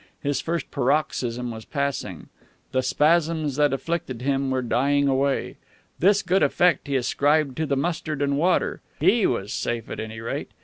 His first paroxysm was passing. The spasms that afflicted him were dying away. This good effect he ascribed to the mustard and water. He was safe, at any rate.